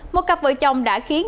một cặp vợ chồng đã khiến